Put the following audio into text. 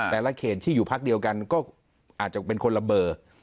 แต่ละเขตที่อยู่พักเดียวกันก็อาจจะเป็นคนละเบอร์